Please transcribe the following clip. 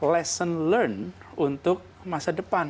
lesson learned untuk masa depan